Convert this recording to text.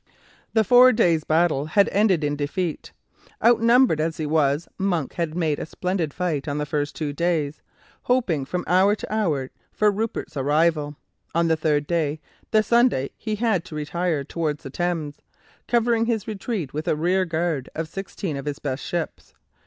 The four days' battle had ended in defeat. Outnumbered as he was, Monk had made a splendid fight on the first two days, hoping from hour to hour for Rupert's arrival. On the third day, the Sunday, he had to retire towards the Thames, covering his retreat with a rearguard of sixteen of his best ships.